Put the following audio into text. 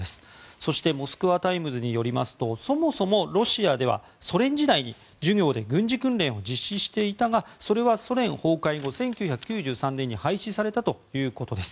そしてモスクワタイムズによりますとそもそもロシアではソ連時代に授業で軍事訓練を実施していたがそれはソ連崩壊後、１９９３年に廃止されたということです。